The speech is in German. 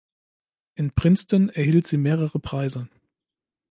In Princeton erhielt sie mehrere Preise.